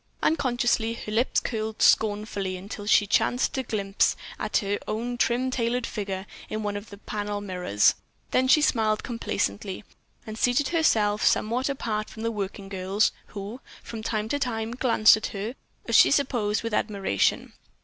Unconsciously her lips curled scornfully until she chanced to catch a glimpse of her own trim tailored figure in one of the panel mirrors; then she smiled complacently and seated herself somewhat apart from the working girls, who, from time to time, glanced at her, as she supposed, with admiration.